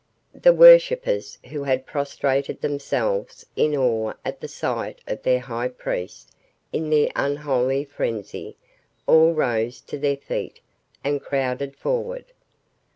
The worshippers who had prostrated themselves in awe at the sight of their high priest in the unholy frenzy, all rose to their feet and crowded forward.